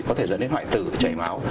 có thể dẫn đến hoại tử chảy máu